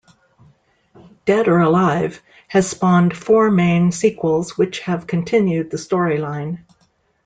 "Dead or Alive" has spawned four main sequels which have continued the storyline.